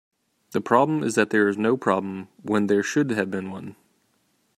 The problem is that there is no problem when there should have been one.